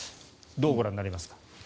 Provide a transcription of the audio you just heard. どうご覧になりますか？